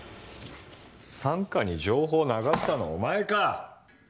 三課に情報流したのお前か！